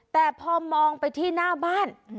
แต่พอมองไปที่หน้าบ้าน